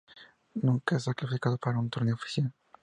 Nunca se han clasificado para un torneo oficial.